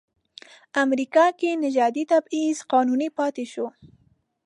امریکا کې نژادي تبعیض قانوني پاتې شو.